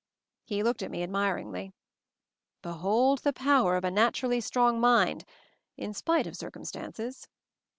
He looked at me admiringly. "Behold the power of a naturally strong mind — in spite of circumstances!